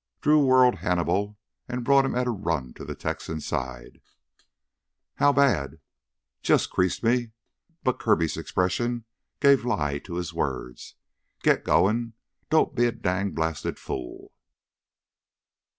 Drew whirled Hannibal and brought him at a run to the Texan's side. "How bad?" "Jus' creased me." But Kirby's expression gave the lie to his words. "Git goin' ... don't be a dang blasted fool!"